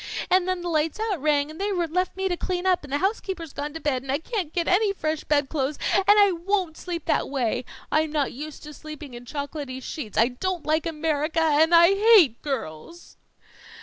And then the "Lights out" rang, and they left me to clean up, and the housekeeper's gone to bed, and I can't get any fresh bed clothes, and I won't sleep that way! I'm not used to sleeping in chocolaty sheets. I don't like America and I hate girls."